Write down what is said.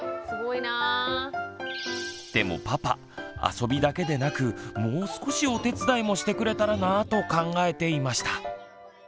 でもパパあそびだけでなくもう少しお手伝いもしてくれたらなぁと考えていました。